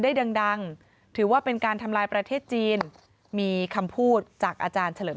ดังดังถือว่าเป็นการทำลายประเทศจีนมีคำพูดจากอาจารย์เฉลิม